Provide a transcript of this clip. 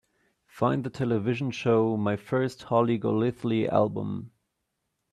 Find the television show My First Holly Golightly Album